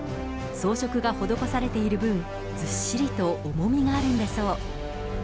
装飾が施されている分、ずっしりと重みがあるんだそう。